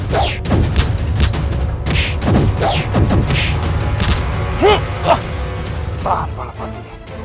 tahan bala pati